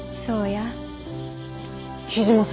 そうや。